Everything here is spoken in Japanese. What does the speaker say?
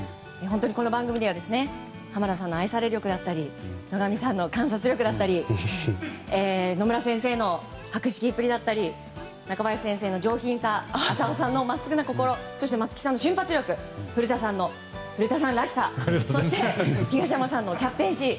この番組には濱田さんの愛され力だったり野上さんの観察力だったり野村先生の博識っぷり中林先生の上品さ浅尾さんの真っすぐな心そして、松木さんの瞬発力古田さんの古田さんらしさそして東山さんのキャプテンシー。